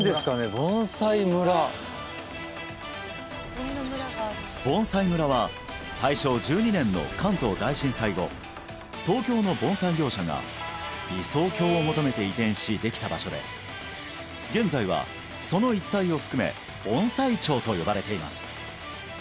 盆栽村盆栽村は大正１２年の関東大震災後東京の盆栽業者が理想郷を求めて移転しできた場所で現在はその一帯を含め盆栽町と呼ばれています